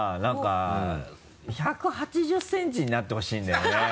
何か１８０センチになってほしいんだよね。